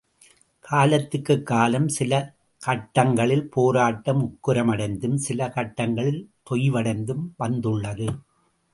காலத்துக்குக் காலம் சில கட்டங்களில் போராட்டம் உக்கிரமடைந்தும், சில கட்டங்களிற் தொய்வடைந்தும் வந்துள்ளது.